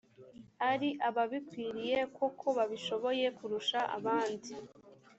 ari ababikwiriye koko babishoboye kurusha abandi